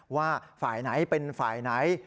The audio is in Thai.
ว่าฝ่ายไหนเป็นฝ่ายไหน